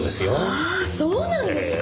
ああそうなんですか？